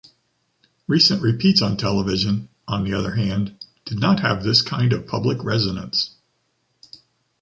Recent repeats on television, on the other hand, did not have this kind of public resonance.